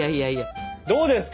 どうですか？